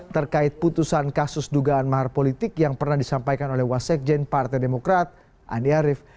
terkait putusan kasus dugaan mahar politik yang pernah disampaikan oleh wasekjen partai demokrat andi arief